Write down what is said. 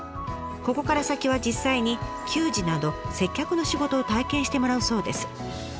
ここから先は実際に給仕など接客の仕事を体験してもらうそうです。